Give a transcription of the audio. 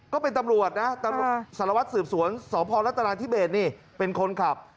ก็เป็นตำรวจนะสารวัตรสืบสวนสพรัฐนาธิเบสนี่เป็นคนขับ